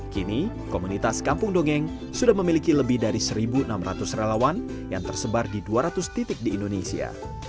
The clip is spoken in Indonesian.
kini komunitas kampung dongeng sudah memiliki lebih dari satu enam ratus relawan yang tersebar di dua ratus titik di indonesia